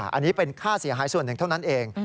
อันนี้เป็นค่าเสียหายส่วนหนึ่งเท่านั้นเอง